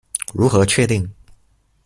如何確定？